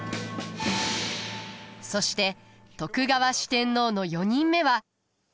そして徳川四天王の４人目は。